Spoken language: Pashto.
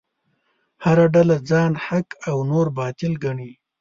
هره ډله ځان حق او نور باطل ګڼي.